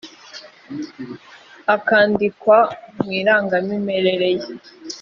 akandikwa mu irangamimerere ye